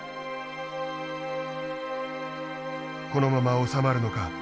このまま収まるのか